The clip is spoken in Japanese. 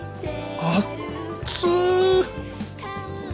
あっつ！